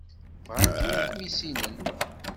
Bɣan kan ad kem-issinen.